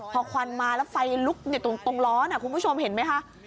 พอควันมาแล้วไฟลุกตรงล้อนะคุณผู้ชมเห็นไหมคะ